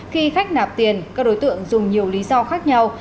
khi khách nạp tiền các đối tượng dùng nhiều lý do khác nhau